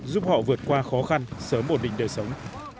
giúp họ vượt qua khó khăn sớm bổn định đời sống